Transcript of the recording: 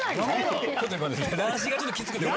乱視がちょっときつくて。